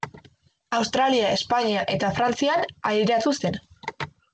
Australia, Espainia eta Frantzian aireratu zen.